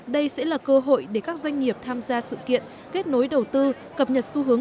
đây sẽ là cơ hội để các doanh nghiệp tham gia sự kiện kết nối đầu tư cập nhật xu hướng